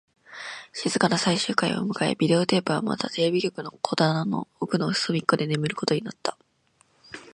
静かな最終回を迎え、ビデオテープはまたテレビ局の戸棚の奥の隅っこで眠ることになった